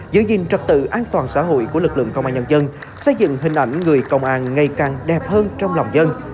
giữ gìn trật tự an toàn xã hội của lực lượng công an nhân dân xây dựng hình ảnh người công an ngày càng đẹp hơn trong lòng dân